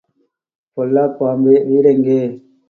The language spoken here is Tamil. பொல்லாப் பாம்பே, வீடெங்கே?